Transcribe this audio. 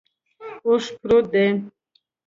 اوښ پروت دے